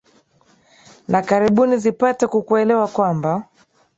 na karibuni zipate ku kuelewa kwamba